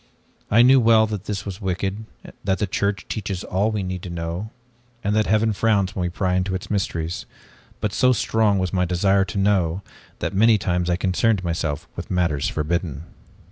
I knew well that this was wicked, that the Church teaches all we need to know and that heaven frowns when we pry into its mysteries, but so strong was my desire to know, that many times I concerned myself with matters forbidden.